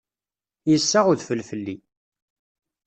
Yessaɣ udfel fell-i.